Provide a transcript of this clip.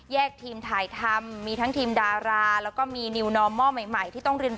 แยกทีมถ่ายธรรมมีทั้งทีมดาราแล้วก็มีเมะใหม่